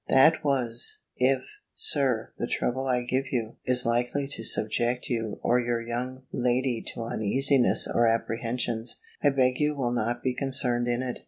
That was "If, Sir, the trouble I give you, is likely to subject you or your lady to uneasiness or apprehensions, I beg you will not be concerned in it.